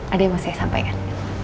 ada yang mau saya sampaikan